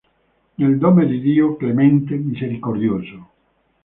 Nel nome di Dio, clemente misericordioso!